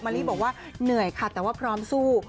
ลี่บอกว่าเหนื่อยค่ะแต่ว่าพร้อมสู้